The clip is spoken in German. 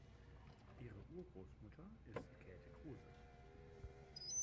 Ihre Urgroßmutter ist Käthe Kruse.